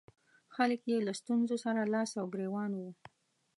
خلک یې له ستونزو سره لاس او ګرېوان وو.